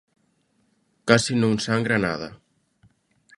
Case non sangra nada...